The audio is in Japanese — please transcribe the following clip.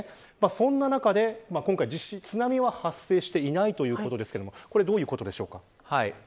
その中で、今回は津波が発生していないということですがこれはどういうことでしょうか。